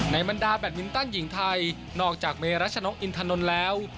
บรรดาแบตมินตันหญิงไทยนอกจากเมรัชนกอินทนนท์แล้ว